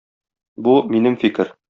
Бу - минем фикер.